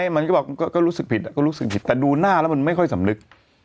มันก็บอกก็รู้สึกผิดก็รู้สึกผิดแต่ดูหน้าแล้วมันไม่ค่อยสำนึก